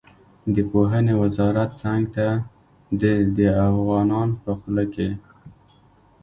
د پوهنې وزارت څنګ ته د ده افغانان په خوله کې.